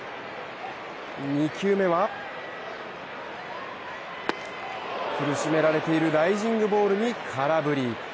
２球目は、苦しめられているライジングボールに空振り。